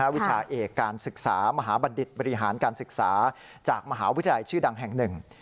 วิชาเอกการศึกษามหาบัณฑิตบริหารการศึกษาจากมหาวิทยาลัยชื่อดังแห่งหนึ่ง